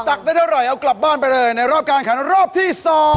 ักได้เท่าไหร่เอากลับบ้านไปเลยในรอบการขันรอบที่๒